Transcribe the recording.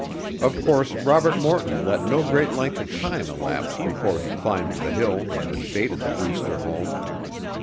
Of course Robert Morton let no great length of time elapse before he climbed the hill and invaded the Brewster home.